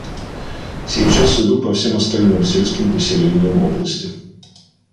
Сейчас иду по всем остальным сельским поселениям области.